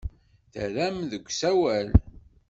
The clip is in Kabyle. Terram deg usawal.